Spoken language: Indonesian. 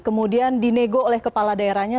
kemudian dinego oleh kepala daerahnya